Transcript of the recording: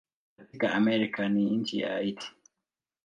Katika Amerika ni nchi ya Haiti.